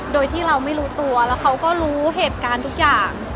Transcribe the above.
โดยที่เราไม่รู้ตัวแล้วเขาก็รู้เหตุการณ์ทุกอย่าง